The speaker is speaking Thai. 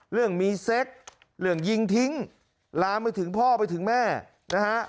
เรื่องมีเซ็กเรื่องยิงทิ้งลามไปถึงพ่อไปถึงแม่นะฮะ